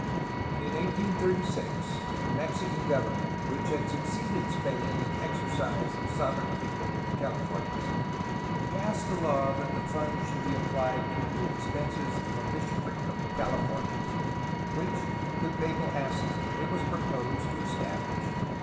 In 1836 the Mexican government, which had succeeded Spain in exercise of sovereignty over the Californias, passed a law that the fund should be applied toward the expenses of a bishopric of the Californias, which, with papal assent, it was proposed to establish.